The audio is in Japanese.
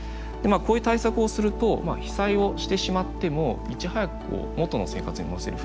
こういう対策をすると被災をしてしまってもいち早く元の生活に戻せる。